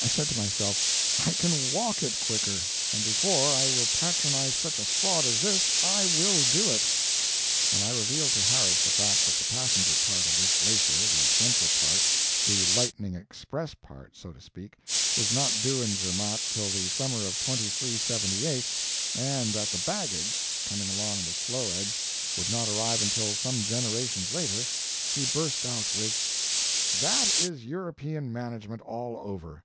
I said to myself, "I can WALK it quicker and before I will patronize such a fraud as this, I will do it." When I revealed to Harris the fact that the passenger part of this glacier the central part the lightning express part, so to speak was not due in Zermatt till the summer of 2378, and that the baggage, coming along the slow edge, would not arrive until some generations later, he burst out with: "That is European management, all over!